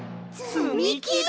つみきだ！